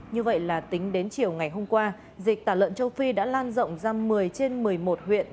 như vậy là tính đến chiều ngày hôm qua dịch tả lợn châu phi đã lan rộng ra một mươi trên một mươi một huyện